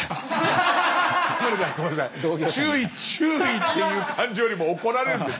注意っていう感じよりも怒られる。